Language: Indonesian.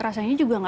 rasanya juga enak